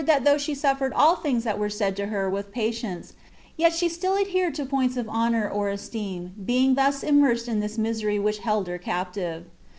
that though she suffered all things that were said to her with patience, yet she still adhered to points of honour or esteem, being thus Immersed in this misery which held her captive.